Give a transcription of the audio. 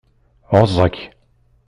Ɛuẓẓeg.